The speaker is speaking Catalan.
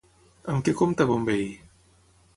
Amb què compta Bonvehí?